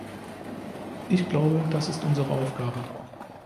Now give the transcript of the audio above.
Ich glaube, das ist unsere Aufgabe.